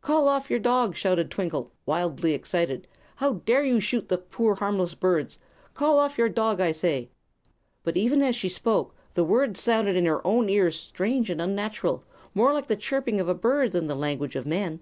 "Call off your dog!" shouted Twinkle, wildly excited. "How dare you shoot the poor, harmless birds? Call off your dog, I say!" But, even as she spoke, the words sounded in her own ears strange and unnatural, and more like the chirping of a bird than the language of men.